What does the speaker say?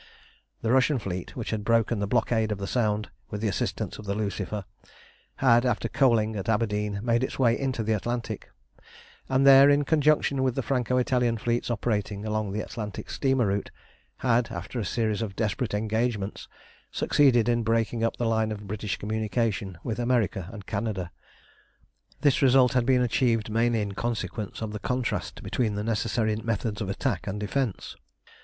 The Russian fleet, which had broken the blockade of the Sound, with the assistance of the Lucifer, had, after coaling at Aberdeen, made its way into the Atlantic, and there, in conjunction with the Franco Italian fleets operating along the Atlantic steamer route, had, after a series of desperate engagements, succeeded in breaking up the line of British communication with America and Canada. This result had been achieved mainly in consequence of the contrast between the necessary methods of attack and defence.